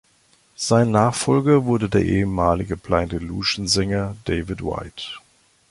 Sein Nachfolger wurde der ehemalige Blind-Illusion-Sänger David White.